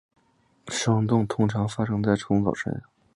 霜冻通常发生在初冬的早晨。